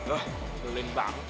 ah geleng banget